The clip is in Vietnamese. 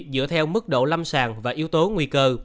dựa theo mức độ lâm sàng và yếu tố nguy cơ